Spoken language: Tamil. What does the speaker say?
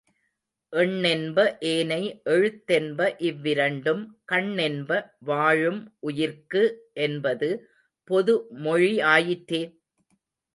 எண்ணென்ப ஏனை எழுத்தென்ப, இவ்விரண்டும் கண்ணென்ப வாழும் உயிர்க்கு என்பது பொது மொழி ஆயிற்றே?